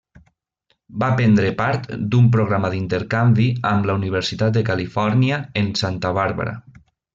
Va prendre part d'un programa d'intercanvi amb la Universitat de Califòrnia en Santa Bàrbara.